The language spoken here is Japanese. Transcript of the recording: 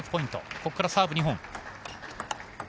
ここからサーブ２本。